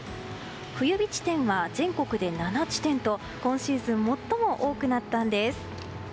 冬日地点は全国で７地点と今シーズン最も多くなったんです。